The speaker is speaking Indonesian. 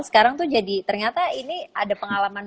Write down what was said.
sekarang tuh jadi ternyata ini ada pengalaman